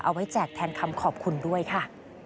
เอาไว้แจกแทนคำขอบคุณด้วยค่ะ